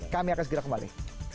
kami akan segera kembali